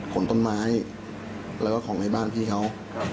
ของต้นไม้แล้วก็ของในบ้านพี่เขา